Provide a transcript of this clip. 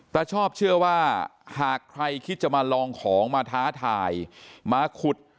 ชอบเชื่อว่าหากใครคิดจะมาลองของมาท้าทายมาขุด